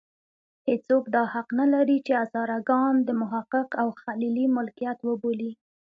هېڅوک دا حق نه لري چې هزاره ګان د محقق او خلیلي ملکیت وبولي.